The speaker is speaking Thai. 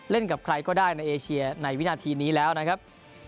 กับใครก็ได้ในเอเชียในวินาทีนี้แล้วนะครับ